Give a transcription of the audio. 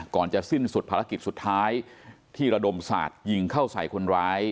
ก่อนจะสิ้นสุดภารกิจสุดท้ายที่ระดมสาดยิงเข้าใส่คนร้าย